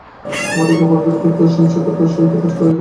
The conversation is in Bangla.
তোমাদিগকে অপেক্ষা করিতে হইবে এবং সহিষ্ণুতার সহিত কাজ করিয়া যাইতে হইবে।